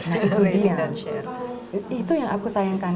nah itu dia itu yang aku sayangkan